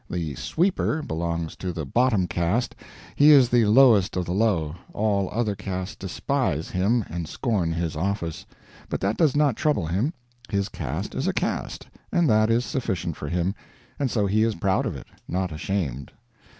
The "sweeper" belongs to the bottom caste; he is the lowest of the low all other castes despise him and scorn his office. But that does not trouble him. His caste is a caste, and that is sufficient for him, and so he is proud of it, not ashamed.